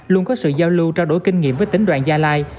luôn có sự giao lưu trao đổi kinh nghiệm với tỉnh đoàn gia lai